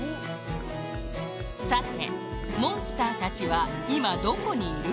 さてモンスターたちはいまどこにいる？